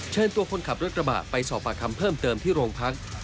เชิญตัวคนขับรถกระบะไปสอบปากคำเพิ่มเติมที่โรงพัก